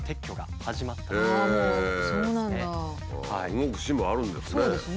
動く市もあるんですね。